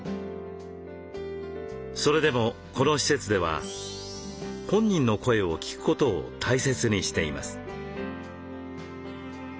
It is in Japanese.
それでもこの施設では本人の声を聴くことを大切にしています。